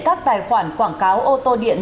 các tài khoản quảng cáo ô tô điện